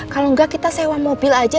kalau enggak kita sewa mobil aja